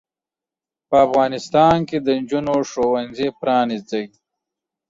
په افغانستان کې د انجونو ښوونځې پرانځئ.